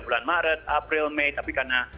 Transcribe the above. bulan maret april mei tapi karena